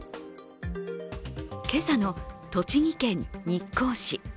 今朝の栃木県日光市。